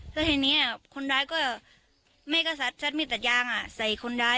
แล้วทีนี้คนร้ายก็แม่ก็ซัดมีดตัดยางใส่คนร้าย